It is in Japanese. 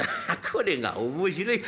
これが面白い。